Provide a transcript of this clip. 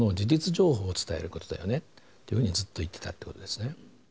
情報を伝えることだよねっていうふうにずっと言ってたってことですね。